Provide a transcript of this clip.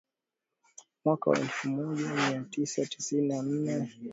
Mwaka wa elfu moja mia tisa tisini na nne